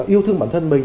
yêu thương bản thân mình